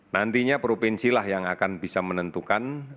nantinya provinsi lah yang akan bisa menentukan